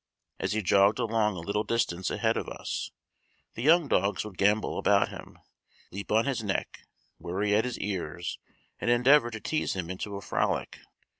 As he jogged along a little distance ahead of us, the young dogs would gambol about him, leap on his neck, worry at his ears, and endeavor to tease him into a frolic.